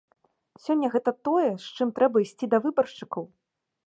Сёння гэта тое, з чым трэба ісці да выбаршчыкаў?